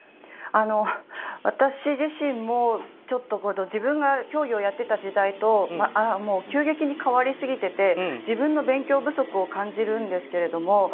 私自身も自分が競技をやってた時代と急激に変わりすぎていて自分の勉強不足を感じるんですけれども。